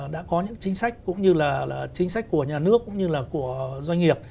đã có những chính sách cũng như là chính sách của nhà nước cũng như là của doanh nghiệp